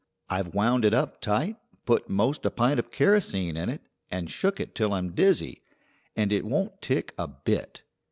"I've wound it up tight, put 'most a pint of kerosene in it, and shook it till I'm dizzy, and it won't tick a bit.